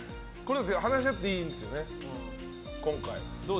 話し合っていんですよね、今回。